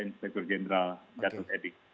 inspektur jenderal jatuh edi